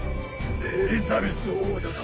エリザベス王女様。